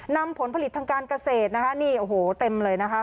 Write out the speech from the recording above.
นำผลผลิตทางการเกษตรนะคะนี่โอ้โหเต็มเลยนะคะ